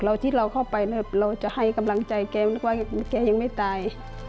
ที่เราที่เราเข้าไปเราจะให้กำลังใจแกนึกว่าแกยังไม่ตาย